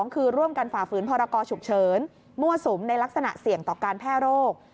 คือร่วมกันฝ่าฝืนพรกรฉุกเฉินมั่วสุมในลักษณะเสี่ยงต่อการแพร่โรค